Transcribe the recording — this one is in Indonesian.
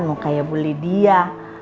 mau kayak bu lydia